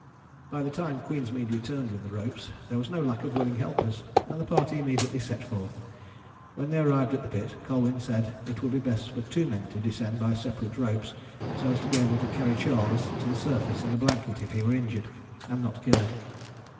By the time Queensmead returned with the ropes there was no lack of willing helpers, and the party immediately set forth. When they arrived at the pit Colwyn said that it would be best for two men to descend by separate ropes, so as to be able to carry Charles to the surface in a blanket if he were injured, and not killed.